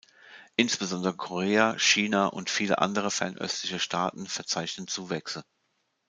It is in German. Insbesondere Korea, China und viele andere fernöstliche Staaten verzeichnen Zuwächse.